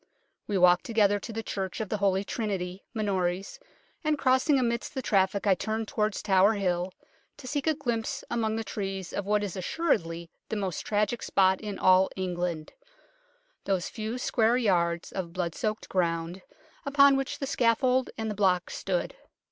We walked together to the Church of the Holy Trinity, Minories, and crossing amidst the traffic I turned towards Tower Hill to seek a glimpse among the trees of what is assuredly the most tragic spot in all England those few square yards of blood soaked ground upon which the scaffold and the block stood.